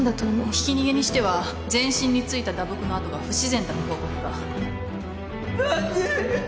ひき逃げにしては全身についた打撲の痕が不自然だと報告が何で。